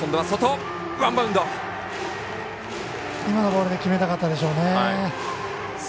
今のボールで決めたかったでしょうね。